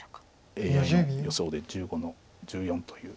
ＡＩの予想で１５の十四という。